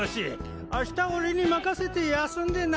明日俺にまかせて休んでな。